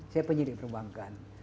saya penyidik perbankan